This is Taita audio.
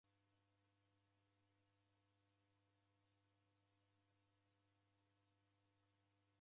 Fuma shighadi kushee mabemba.